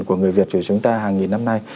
của người việt của chúng ta hàng nghìn năm nay